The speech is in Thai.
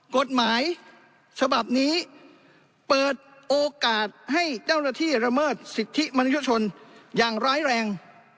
กฎหมายฉบับนี้เปิดโอกาสให้เจ้าหน้าที่ระเมิดสิทธิมนุษยชนอย่างร้ายแรง